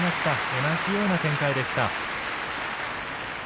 同じような展開でした。